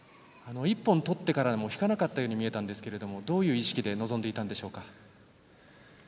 １本を取ってから引かなかったように見えたんですがどういう意識で臨んだんでしょうか。